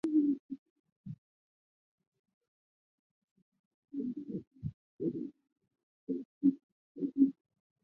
下库洛伊农村居民点是俄罗斯联邦沃洛格达州韦尔霍瓦日耶区所属的一个农村居民点。